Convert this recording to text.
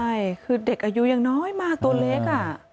ใช่คือเด็กอายุยังน้อยมากตัวเล็ก